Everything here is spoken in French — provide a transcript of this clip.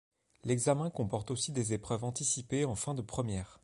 L'examen comporte aussi des épreuves anticipées en fin de première.